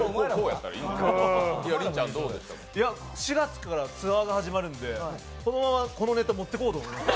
４月からツアーが始まるので、このままこのネタを持っていこうと思います。